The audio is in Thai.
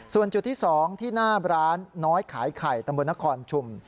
ส่วนจุดที่๒ที่หน้าร้านน้อยขายไข่ตำบลนครชุม